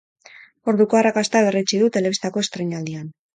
Orduko arrakasta berretsi du telebistako estreinaldian.